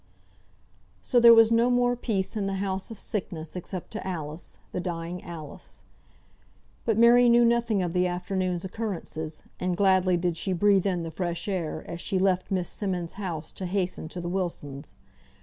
So there was no more peace in the house of sickness, except to Alice, the dying Alice. But Mary knew nothing of the afternoon's occurrences; and gladly did she breathe in the fresh air, as she left Miss Simmonds' house, to hasten to the Wilsons'.